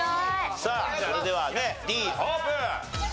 さあそれではねＤオープン。